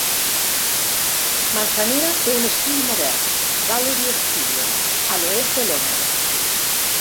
Manzanera té un estudi modern, Gallery Studios, a l'oest de Londres.